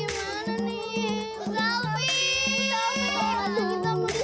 aduh kita muda sekali